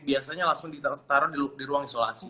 biasanya langsung ditaruh di ruang isolasi